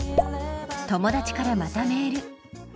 友達からまたメール。